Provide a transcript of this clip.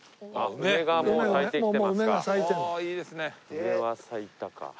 梅は咲いたか。